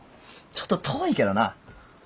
ちょっと遠いけどな。